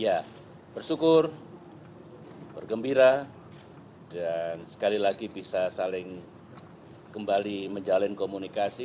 ya bersyukur bergembira dan sekali lagi bisa saling kembali menjalin komunikasi